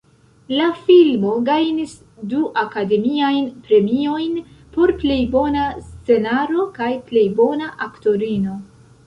La filmo gajnis du Akademiajn Premiojn, por plej bona scenaro kaj plej bona aktorino.